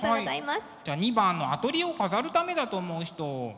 じゃあ２番のアトリエを飾るためだと思う人。